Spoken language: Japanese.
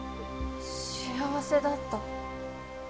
幸せだった？